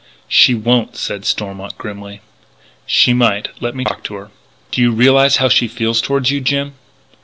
"She won't," said Stormont grimly. "She might. Let me talk to her." "Do you realise how she feels toward you, Jim?"